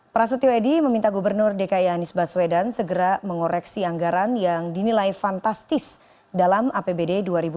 prasetyo edy meminta gubernur dki anies baswedan segera mengoreksi anggaran yang dinilai fantastis dalam apbd dua ribu delapan belas